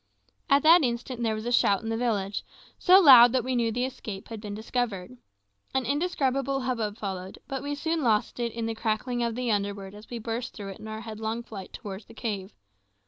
At that instant there was a shout in the village, so loud that we knew the escape was discovered. An indescribable hubbub ensued, but we soon lost it in the crackling of the underwood as we burst through it in our headlong flight towards the cave.